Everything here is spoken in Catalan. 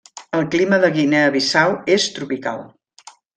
El clima de Guinea Bissau és tropical.